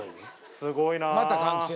すごいなぁ。